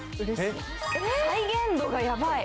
再現度がヤバい！